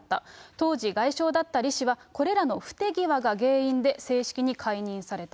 当時外相だったリ氏はこれらの不手際が原因で、正式に解任された。